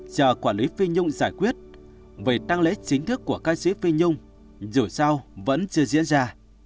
chờ quản lý phi nhung giải quyết về tăng lễ chính thức của ca sĩ phi nhung rủi sau vẫn chưa diễn ra